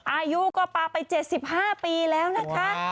อายุก็ปลาไป๗๕ปีแล้วนะคะ